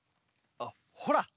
あっほら